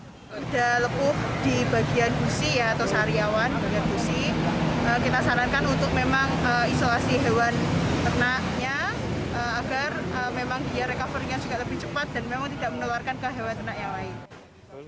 sudah lepuh di bagian gusi ya atau sariawan dengan gusi kita sarankan untuk memang isolasi hewan ternaknya agar memang dia recovery nya juga lebih cepat dan memang tidak menularkan ke hewan ternak yang lain